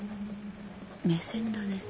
目線だね。